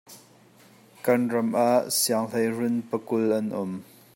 Kan ram ah sianghleirun pakul an um.